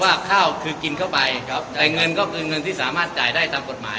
ข้าวคือกินเข้าไปครับแต่เงินก็คือเงินที่สามารถจ่ายได้ตามกฎหมาย